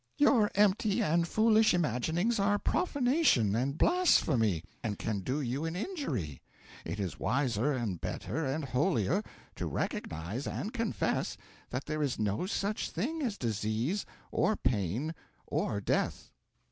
Your empty and foolish imaginings are profanation and blasphemy, and can do you an injury. It is wiser and better and holier to recognise and confess that there is no such thing as disease or pain or death.'